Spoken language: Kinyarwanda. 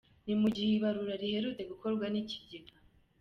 Ni mu gihe ibarura riherutse gukorwa n’Ikigega.